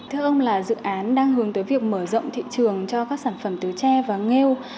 thưa ông là dự án đang hướng tới việc mở rộng thị trường cho các sản phẩm tứ tre và nghêu